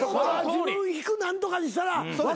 自分引く何とかにしたら分かるんだ。